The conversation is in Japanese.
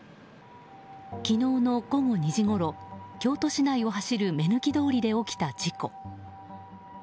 昨日の午後２時ごろ京都市内を走る目抜き通りで起きた事故。